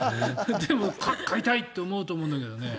でも、買いたいって思うと思うんだけどね。